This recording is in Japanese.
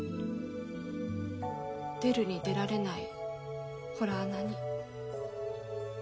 出るに出られない洞穴に。